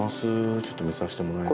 ちょっと見させてもらいます。